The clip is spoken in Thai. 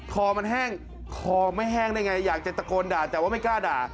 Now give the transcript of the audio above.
คอมันแห้งคอไม่แห้งได้ไงอยากจะตะโกนด่าแต่ว่าไม่กล้าด่า